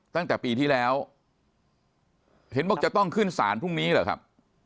ตั้งแต่ปีที่แล้วเห็นบอกจะต้องขึ้นศาลพรุ่งนี้เหรอครับ